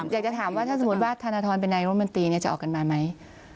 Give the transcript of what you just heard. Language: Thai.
อยากจะถามว่าถ้าสมมุติว่าธนทรเป็นนายรมนตรีจะออกกันมาไหม